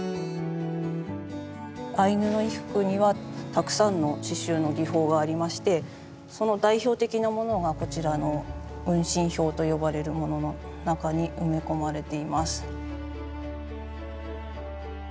アイヌの衣服にはたくさんの刺しゅうの技法がありましてその代表的なものがこちらの運針表と呼ばれるものの中に埋め込まれています。